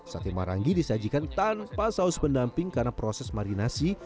sate marangi disajikan tanpa saus pendamping karena proses marinasi